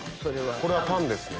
これはタンですね。